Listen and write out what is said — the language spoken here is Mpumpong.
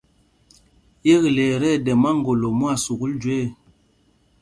Yekle ɛ tí ɛjúl máŋgolo mwán sukûl jüe ɛ.